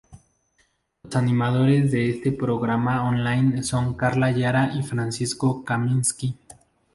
Los animadores de este programa online son Carla Jara y Francisco Kaminski.